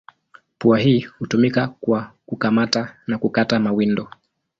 Pua hii hutumika kwa kukamata na kukata mawindo.